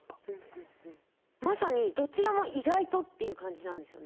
まさにどちらも「意外と」っていう感じなんですよね。